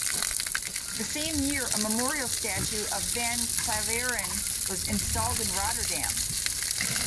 The same year a memorial statue of van Klaveren was installed in Rotterdam.